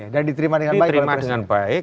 dan diterima dengan baik